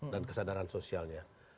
dan kesadaran sosialnya